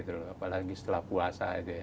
apalagi setelah puasa